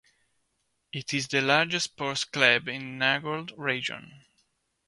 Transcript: It is the largest sports club in the Nagold region.